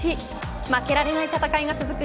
負けられない戦いが続く